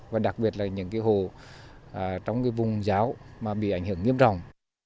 và đặc biệt là những hồ trong vùng giáo mà bị ảnh hưởng nghiêm rồng